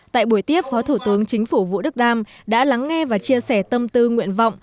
tại buổi tiếp phó thủ tướng chính phủ vũ đức đam đã lắng nghe và chia sẻ tâm tư nguyện vọng